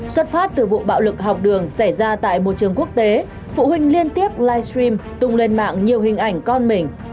xuất phát từ vụ bạo lực học đường xảy ra tại môi trường quốc tế phụ huynh liên tiếp live stream tung lên mạng nhiều hình ảnh con mình